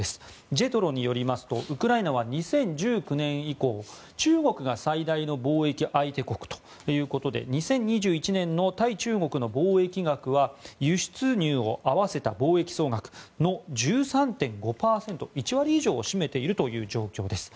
ジェトロによりますとウクライナは２０１９年以降中国が最大の貿易相手国ということで２０２１年の対中国の貿易額は輸出入を合わせた貿易総額の１３．５％１割以上を占めているという状況です。